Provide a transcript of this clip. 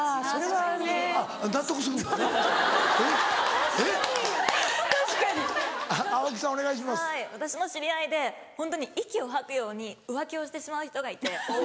はい私の知り合いでホントに息を吐くように浮気をしてしまう人がいて。